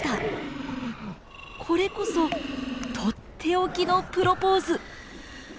これこそとっておきのプロポーズ。